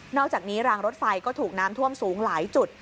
อกจากนี้รางรถไฟก็ถูกน้ำท่วมสูงหลายจุด